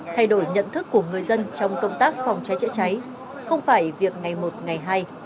thay đổi nhận thức của người dân trong công tác phòng cháy chữa cháy không phải việc ngày một ngày hay